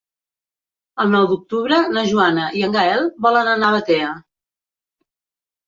El nou d'octubre na Joana i en Gaël volen anar a Batea.